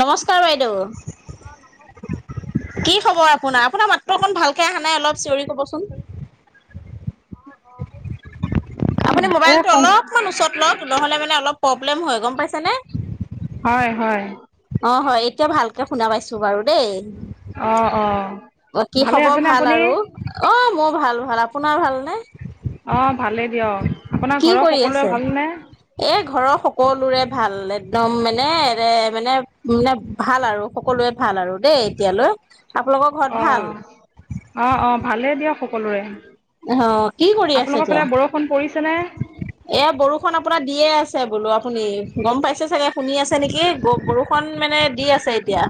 নমস্কাৰ বাইদেউ। কি খবৰ আপোনাৰ? আপোনাৰ মাতটো অকণ ভালকে অহা নাই অলপ চিঞৰি কবচোন। অ' অ' সেই আপুনি মোবাইলটো অলপমান ওচৰত লওঁক, নহ'লে মানে অলপ প্ৰব্লেম হয় গম পাইছেনে। হয় হয়। অঁ হয় এতিয়া ভালকৈ শুনা পাইছোঁ বাৰু দেই। অ অ অ' কি ভালে খবৰ আছেনে ভাল আপুনি আৰু? অ' মই ভাল ভাল, আপোনাৰ ভালনে? অ' ভালে দিয়ক। আপোনাৰ কি ঘৰৰ কৰি আছে? সকলোৰে ভালনে এই ঘৰৰ সকলোৰে ভাল। একদম মানেৰে মানে মানে ভাল আৰু সকলোৱে ভাল আৰু দেই এতিয়ালৈ। আপোনালোকৰ ঘৰত ভাল অ' অ' অ' ভালেই দিয়ক সকলোৰে। অ' কি কৰি আছে আপোনালোকৰ এতিয়া? ফালে বৰষুণ পৰিছেনে এয়া বৰষুণ আপোনাৰ দিয়ে আছে, বোলো আপুনি গ'ম পাইছে চাগে শুনি আছে নেকি বৰষুণ মানে দি আছে। তিয়া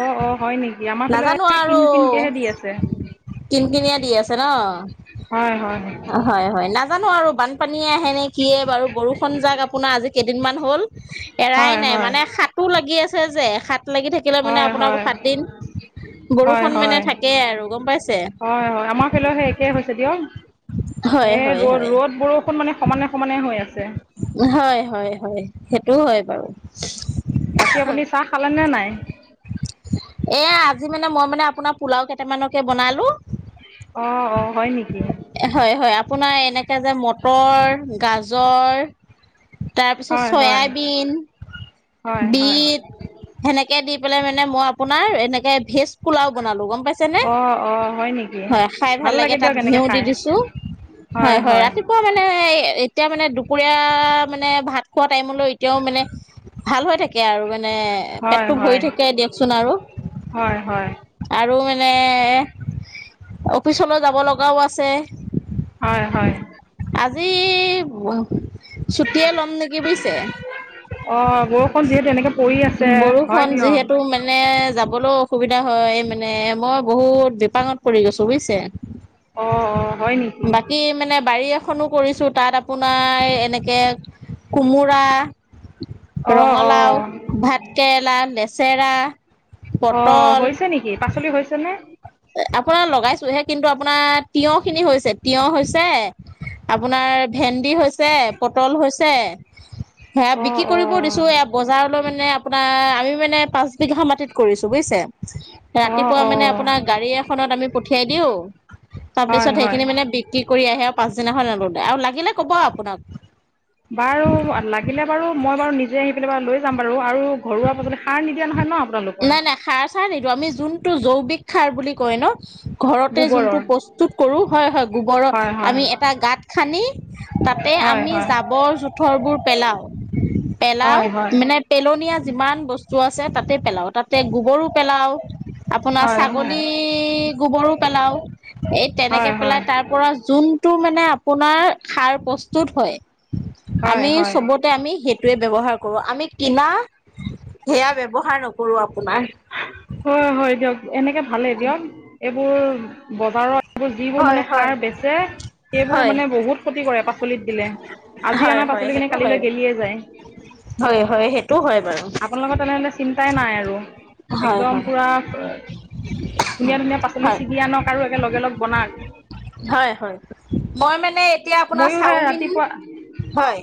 অ' অ' হয় নেকি আমাৰ ফালে আৰু কিন কিনকেহে দি আছে। কিন কিনিয়া দি আছে ন। হয় হয় হয় হয় নাজানো আৰু বানপানীয়ে আহে নে কি বাৰু বৰষুন যাক আপোনাৰ আজি কেইদিনমান হ'ল এৰাই হয় নাই হয় মানে সাতো লাগি আছে। ছে যে হাত লাগি থাকিলে মানে হয় আপোনাৰ হয় সাত দিন, হয় বৰষুণ মানে হয় থাকে আৰু গম পাইছেই। হয় হয় আমাৰ ফেৰ সেই একেই হৈছে দিয়ক। হয় এ হয় ৰ'দ হয় ৰ'দ বৰষুণ মানে সমানে সমানে হৈ আছে। হয় হয় হয় সেইটো হয় বাৰু। বাকী আপুনি চাহ খালে নে নাই? এয়া আজি মান মানে আপোনাৰ পোলাও কেইটামকে বনালোঁ। অ অ হয় নেকি হয় হয় আপোনাৰ এনেকে যে মটৰ, গাজৰ তাৰপিছত হয় হয় চয়াবিন হয় হয় বিট সেনেকে দি পেলাই মানে মই আপোনাৰ এ ভেজ পোলাও বনালো। পাইছেনে? অঁ অঁ হয় নেকি হয় খাই ভাল লাগে তাত দিয়ক এনেকে ঘিউ দি খাই দিছো। হয় হয় ৰাতিপুৱা মানে এতিয়া মানে দুপৰীয়া মানে ভাত খোৱা টাইমলৈ এতিয়াও মানে, ভাল হৈ থাকে আৰু মানে। মানে হয় পেটতো ভৰি হয় থাকে দিয়ক চোন আৰু, হয় হয় আৰু ম, অফিচলৈ যাব লগাও আছে। হয় হয়। আজি চুটে ল'ম নেকি বুজিছে। অঁ বৰষুণ যিহেতু এনেকে পৰি আছে হয় বৰষুণ দিয়ক যিহেতু মানে যাব ক'লেও অসুবিধা হয় মানে মই বহুত বিপাঙত পৰি গৈছো বুজিছে। অঁ অঁ হয় নেকি বাকী মানে বাৰী খনি কৰিছো তাত আপোনাৰ এনেকে কোমোৰা অঁ ৰঙালাও, অঁ ভাতকেৰেলা, নেচেৰা অ' হৈছে নেকি পাচলি হৈছে নে? আপোনাৰ লগাইছোহে কিন্তু আপোনাৰ তিয়হ খিনি হৈছে, তিঁয়হ হৈছে আপোনাৰ ভেন্দি হৈছে, পটল হৈছে। সে অঁ বিক্ৰী কৰিব অঁ দিছো এ বজাৰলৈ মানে আপোনাৰ আমি মানে পাঁচ বিঘা মাটিত কৰিছো বুজিছে, অঁ ৰাতিপুৱা অঁ মানে আপোনাক গাড়ী এখনত আমি পঠিয়াই দিওঁ হয় তাৰপিছত হয় সেইখিনি মানে বিক্ৰী কৰি আহে আৰু পাছদিনাখন নলো আৰু লাগিলে কব আপোনাক। বাৰু লাগিলে বাৰু মই বাৰু নিজে আহি পেলাই বাৰু লৈ যাম বাৰু আৰু ঘৰুৱা পাাজলি সাৰ নিদিয়া নহয় ন আপোনালোকৰ? নাই খাৰ বুলি কয় ন? ঘৰতে গোবৰৰ যোনটো প্ৰস্তুত কৰো হয় হয় গোবৰত হয় হয় আমি এটা গত খান্দি তাতে হয় আমি হয় জাবৰ জোথৰ বোৰ পেলাও, পেলাও হয় হয় মানে পেলনি কিমান বস্তু আছে তাতে পেলাও তাতে গোবৰো পেলাও। আপোনাৰ হয় ছাগলী হয় গোবৰো পেলাও। এই তেনেকে হয় হয় পেলাই তাৰ পৰা যোনটো মানে আপোনাৰ সাৰ প্ৰস্তুত হয়, হয় আমি হয় চবতে আমি সেইটোৱে ব্যৱহাৰ কৰো আমি কিনা, সেয়া ব্যৱহাৰ নকৰো আপোনাৰ। হয় হয় দিয়ক এনেকে ভালেই দিয়ক, এইবোৰ ব বজাৰত যিবোৰ হয় মানে হয় সাৰ বেচে, সেইবোৰ হয় মানে বহুত ক্ষতি কৰে পাচলিত দিলে। আজি হয় আনা হয় পাচলি খিনি সেইটো হয় কালিলৈ গেলিয়ে যায়। হয় হয় সেইটো হয় বাৰু। আপোনালোকৰ তেনেহ'লে চিন্তাই নাই আৰু, হয় একদম হয় পুৰা ধুনীয়া ধুনীয়া পাচলি হয় ছিগি আনক আৰু একে লগালগ বনাক। হয় হয় মই মানে এতিয়া আপোনাৰ ময়ো সেই চাওমিন, ৰাতিপুৱা হয়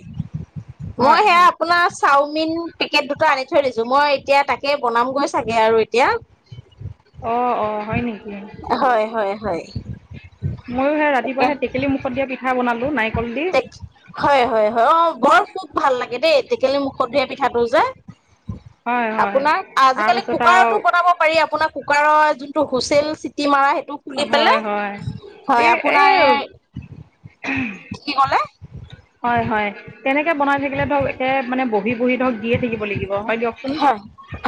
মই হয় সেয়া হয় আপোনাৰ চাওমিন পেকেট দুটা আনি থৈ দিছোঁ মই এতিয়া তাকে বনামগৈ চাগে আৰু এতিয়া। অ' অ' হয় নেকি? হয় হয় হয়। ময়ো সেই ৰাতিপুৱা সেই টেকেলি মুখত দিয়া পিঠা বনালো নাৰি হয় হয় হয় অ' বৰ খুব ভাল লাগে দেই টেকেলি মুখত দিয়া পিঠাটো যে। হয় হয় আপোনাক আজিকালি তাৰপাছত কুকাৰতো বনাব পাৰি আপোনাক কুকাৰৰ যোনটো হুইচেল চিটি মৰা স হয় হয়, এ আপোনাৰ কি ক'লে? হয় হয় তেনেকে বনাই থাকিলে ধৰক এতে মানে বহি বহি ধৰক দিয়ে থাকিব লাগিব। হয় দিয়কচোন, হয়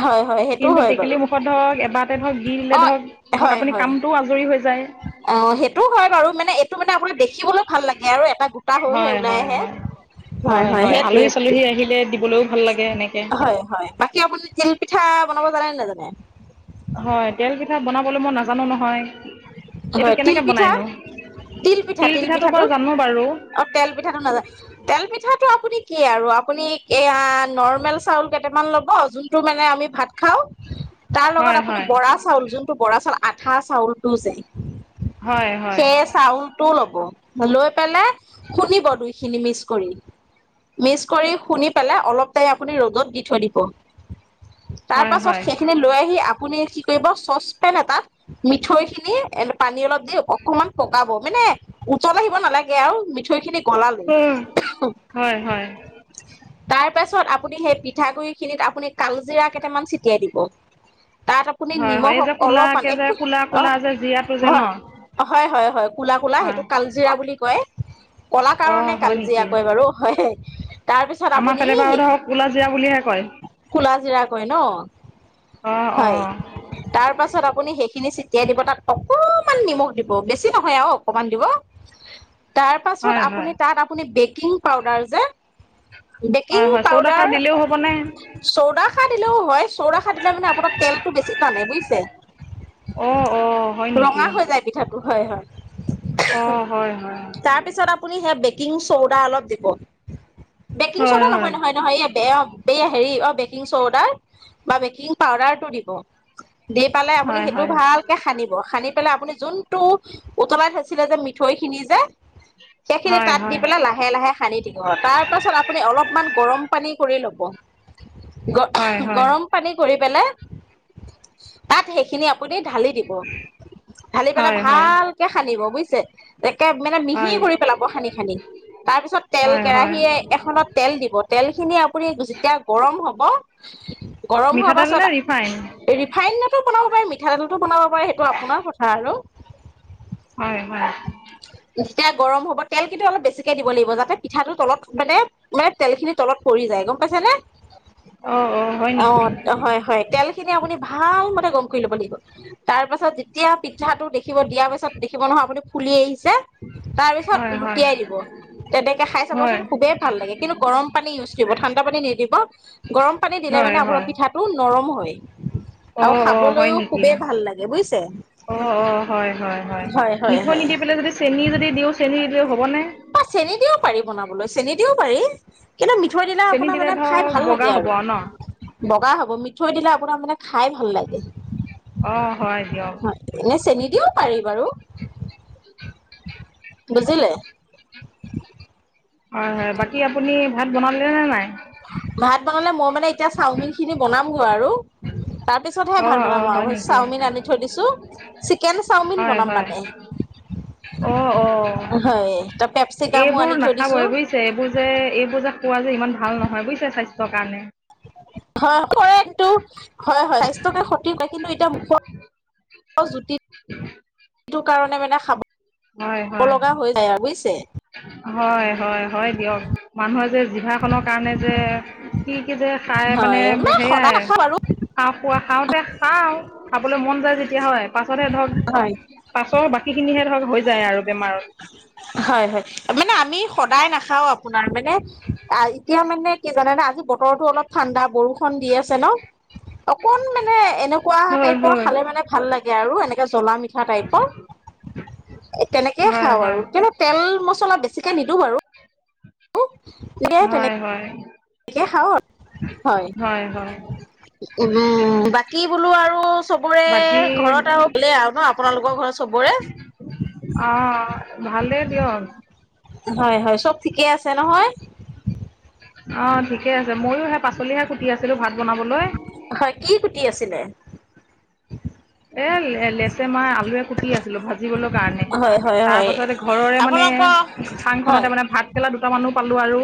হয় হয় সেইটো কিন্তু হয় বাৰু টেকেলি মুখত ধৰক এবাৰ ধৰক দি দিলে অ ধৰক ধৰক হয় আপুনি হয় কামটোও আজৰি হৈ যায়। অ' সেইটোও হয় বাৰু মানে এইটো মানে আপোনাক দেখিবলৈ ভাল লাগে আৰু এটা গোটা হৈ হৈ হয় ওলাই হয় আহ। হয় হয় হয় আলহী চালহী আহিলে দিবলৈও ভাল লাগে এনেকে। হয় হয় বাকী আপুনি তিল পিঠা বনাব জানে নে নাজানে? হয় তেল পিঠা বনাবলৈ মই নাজানো নহয়। এইটো হয় তিল কেনেকে পিঠা, বনাইনো তিল পিঠা তিল পিঠাটো? বাৰু জানো বাৰু অ' তেল পিঠাটো নাজানে তেল পিঠাটো আপুনি কি আৰু আপুনি এয়া নৰ্মেল চাউল কেইটামান ল'ব যোনটো মানে আমি ভাত খাওঁ। তাৰ লগত হয় আপুনি হয় বৰা চাউল যোনটো বৰা চাউল আঠা চাউলটো যে। হয় হয় সেই চাউলটোও ল'ব। লৈ পেলাই খুনিব দুইখিনি মিচ কৰি। মিচ কৰি শুনি পেলাই অলপ টাইম আপুনি ৰ'দত দি থৈ দিব। তাৰ হয় পাছত হয় সেইখিনি লৈ আহি আপুনি কি কৰিব চচপেন এটাত মিঠৈ খিনি এ পানী অলপ দি অকমান পকাব মানে উতল আহিব নালাগে আৰু মিঠৈ খিনি কলালৈ, হয় হয় হয় তাই পাছত সেই পিঠাগুড়িখিনিত আপুনি কালজিৰা কেইটামান চটিয়াই দিব। তাত আপুনি হয় হয় নিমখ এই অক অলপমান এক টো খুজে ন? হয় হয় হয় কুলা কুলা হয় সেইটো কালজিৰা বুলি কয়। ক'লা কাৰণে অ' হয় কালজীয়া নেকি কয় বাৰু হয়। তাৰ পিছত আমাৰ আপুনি ফালে বাৰু ধৰক কুলাজিৰা বুলিহে কয়। কোলা জিৰা। কয় ন? অ' অ' হয়, তাৰপিছত আপুনি সেইখিনি চেটিয়াই দিব তাত অকমান নিমখ দিব বেছি নহয়, আৰু অকমান দিব। তাৰ পাছত হয় হয় আপুনি তাত আপুনি বেকিং পাউদাৰ যে বেকিং হয় হয় পাউদাৰ, চৌদাখাৰ দিলেও হ'বনে চৌডা খা দিলেও হয় চৌৰাখা দিলে মানে আপোনাৰ তেলতটো বেছি টানে বুজিছে? অ' অ' হয় নেকি পিঠা হয় হয়, অ' হয় হয় তাৰপিছত আপুনি সে বেকিং চৌদা অলপ দিব, বেকিং হয় চৌদা নহয় হয় নহয় নহয় এই বেয়া বেয়া হেৰি অ' বেকিং চৌদা, বা বেকিং পাউডাৰটো দিব। দি পালে আপুনি হয় সেইটো হয় ভালকে খান্িব খানি পেলাই আপুনি যোনটো উতলাতৈছিলে যে মিঠৈ খিনি যে। সেইখিনি হয় তাত দি হয় পেলাই লাহে লাহে সানি থাকিব তাৰ পাছত আপুনি অলপমান গৰম পানী কৰি ল'ব। হয় হয় গৰম পানী কৰি পেলাই, তাত সেইখিনি আপুনি ঢালি দিব। ঢালি পেলাই হয় হয় ভালকে খান্িব বুজিছে একে মানে মিহি হয় কৰি পেলাব খান্ি খান্ি। তাৰ পিছত তেল হয় হয় কেৰাহি এখনত তেল দিব তেল খিনি আপুনি যেতিয়া গৰম হব। মিঠাতেল নে ৰিফাইন? ৰিফাইনড দাতো বনাব পাৰে মিঠাতেলতো বনাব পাৰে সেইটো আপোনাৰ কথা আৰু। হয়। যেতিয়া গৰম হ'ব তেল কিন্তু অলপ বেছিকে দিব লাগিব যাতে পিঠাটো তলত মানে মানে তেল খিনি তলত পৰি যায়। গম পাইছ নে? অ'। অ' হয় নেকি অ' হয় হয় তেল খিনি আপুনি ভাল মতে গম কৰি ল'ব লাগিব তাৰ পাছত এতিয়া পি্াটো দেখিব দিয়াৰ পিছত দেখিব নহয় আপুনি ফুলিয় আহিছে তাৰ পিছত হয় হয় লুটিয়াই দিব। তেনেকে খাই হয় চাবচোন খুবেই ভাল লাগে কিন্তু গৰম পানী ইউজ কৰিব ঠাণ্ডা পানী নিদিব। গৰম পানী দিলে হয় মানে আপোনাৰ হয় পিঠাটো নৰম হয়। আৰু অ' অ' হয় খাবলৈও নেকি খুবেই ভাল লাগে বুজিছে? অ' অ' হয় হয় হয় হয় মিঠৈ হয় নিদি পেলাই যদি চেনি যদি দিওঁ চেনিী দিল হ'ব নে? বা চেনি দিও পাৰি বনাবলৈ চেনি দিও পাৰি। কিন্তু মিঠৈ দিলে চেনি আপোনাৰ মানে ধৰ খাই ভাল বগা লাগে হ'ব আৰু, ন বগা হ'ব মিঠৈ দিলে আপোনাৰ মানে খাই ভাল লাগে, অ হয় দিয়ক এনে চেনী কিয় পাৰি বাৰু? বুজিলে? হয় হয় বাকী আপুনি ভাত বনালে নে নাই? ভাত বনালে মই মানে এতিয়া চাওমিন খিনি বনামগৈ আৰু তাৰ তাৰপিছতহে অ ভাল অ বনাম হয় আৰু নেকি চাওমিন আনি থৈ দিছো, চিকেন চাওমিন হয় বনাম হয় মানে। অ' অ' হয় ত পেপচিকামো আনি এইবোৰ থৈ দিছো নাখাবই বুজিছে এইবোৰ যে এইবোৰ যে পোৱা যে ইমান ভাল নহয় বুজিছে স্বাস্থ্যৰ কাৰণে। হয় সৰেটো হয় হয় স্বাস্থ্যয়কে ক্ষতি কিন্তু এতিয়া মুখোৱা, জুতি। [unintelligible] সেইটো কাৰণে মানে খাব হয় হয়। লগা হৈ যায় আৰু বুজিছে হয় হয় হয় দিয়ক মানুহে যে জিভাখনৰ কাৰণে যে কি কি যে খাই মানে হয় সদায় সেয়াই, নাখাওঁ বাৰু কফ খাওঁতে খাওঁ, খাবলৈ মন যায় যেতিয়া হয়। পাছতহে ধৰক, হয় পাছৰ বাকী খিনিহে ধৰক হৈ যায় আৰু বেমাৰত। হয় হয় মানে আমি সদায় নাখাও আপোনাৰ মানে এতিয়া মানে কি জানে জ বতৰতো অল ঠণ্া বৰষ দি আছে ন, অকন মানে এনেকুৱা হয় টাইপৰ হয় খালে মানে ভাল লাগে। আৰু এনেকে জলা মিঠা টাইপৰ, তেনেকেই খাওঁ আৰু। হয় কি তেল মছলা বেছিকৈ নিদিওঁ বাৰু। হয় হয়। ে খাও, হয় উ বাকী বোলো আৰু চবোৰে বাকী ঘৰত আৰু হলে আৰু ন আপোনালোকৰ ঘৰত চবৰে? অ ভালেই দিয়ক। হয় হয় চব ঠিকে আছে নহয়? অ' ঠিকে আছে ময়ো সেই পাচলিহে কুটি আছিলো ভাত বনাবলৈ। হয় কি কুটি আছিলে? এ লেচেমাই আলুৱে কুটি আছিলোঁ ভাত জিব কাৰণে, হয় হয় হয় তাৰপাছতে ঘৰৰে মানে আপোনালোকৰ হয় চাংখনতে মানে ভাত পেলা দুটা মানুহ পালো আৰু,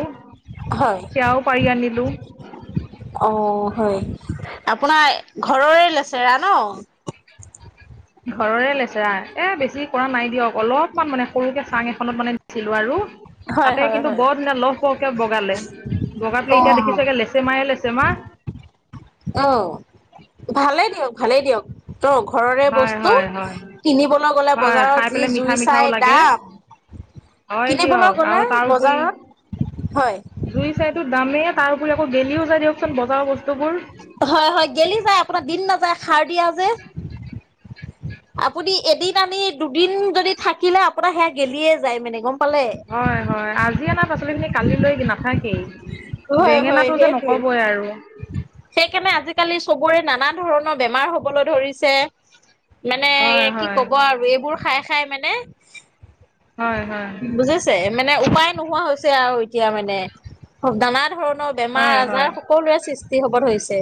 হয় সেয়াও পাৰি আনিলো। অ' হয় আপোনাৰ ঘৰৰে লেচৰা ন? ঘৰৰে লেচেৰা এ বেছি কৰা নাই দিয়ক অলপমান মানে সৰুকে চাং এখনত মানে দিছিলো আৰু। হয় তাতে হয় কিন্তু হয় বৰ দিনা লহ বহকে বগালে, বগা অ পেলাই এতিয়া দেখিছগে লেচেমাহে লেচেমা। আহ ভালেই দিয়ক ভালেই দিয়ক তই ঘৰৰে হয় বস্তু। হয় হয় কিনিবলৈ গ'লে হয় খাই বজাৰত পেলাই যি মিঠা জুই মিঠাও চাই লাগে দাম। হয় কিনিবলৈ দিয়ক আৰু গ'লে তাৰউপৰি বজাৰত, হয়। টো দামেই তাৰ উপৰি আকৌ গেলিও যায় দিয়কচোন বজাৰৰ বস্তুবোৰ। হয়, হয়, গেলি যায়। আপোনাৰ দিন নাযায় খাৰ দিয়া যে। আপুনি এদিন আনি দুদিন যদি থাকিলে, আপোনাৰ সেয়া গেলিয়ে যায় মানে গম পালে হয়, হয়। আজি আ নাৰ পাচলি খিনি কালিলৈ নাথাকে। সেই হয় হয় বেঙেনাটো যে সেইটোৱে নকবই আৰু। সেইকাৰণে আজিকালি চবৰে নানা ধৰণৰ বেমাৰ হ'বলৈ ধৰিছে। মানে হয় কি হয় ক'ব আৰু এইবোৰ খাই খাই মানে হয় হয় বুজিছে মানে উপায় নোহোৱা হৈছে। আৰু এতিয়া মানে, নানা ধৰণৰ বেমাৰ হয় হয় আজাৰ সকলো সৃষ্টি হ'ব ধৰিছে।